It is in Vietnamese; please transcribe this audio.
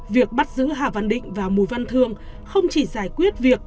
việc bắt giữ hà văn định và mù văn thương không chỉ giải quyết việc